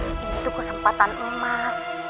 ini tuh kesempatan emas